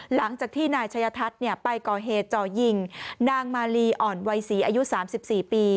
หลังจากที่นายชัยทัศน์ไปก่อเหตุจ่อยิงนางมาลีอ่อนวัยศรีอายุ๓๔ปี